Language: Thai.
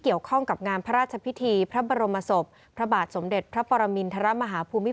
เกี่ยวข้องกับงานพระราชพิธีพระบรมศพพระบาทสมเด็จพระปรมินทรมาฮาภูมิ